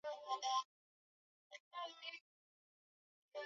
Katika karne ya kumi na moja Waturuki wa Seljuk